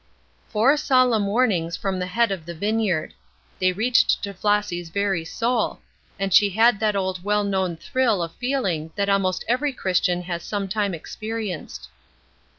Four solemn warnings from the Head of the vineyard. They reached to Flossy's very soul, and she had that old well known thrill of feeling that almost every Christian has some time experienced.